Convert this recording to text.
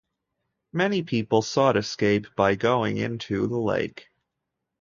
Many people sought escape by going into the lake.